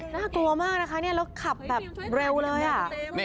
หน้าตัวมากนะคะแล้วขับแบบเร็วเลยอ่ะ